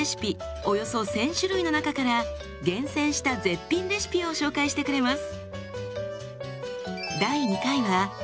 およそ１，０００種類の中から厳選した絶品レシピを紹介してくれます。